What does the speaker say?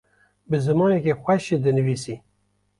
bi zimanekî xweş jî dinivîsî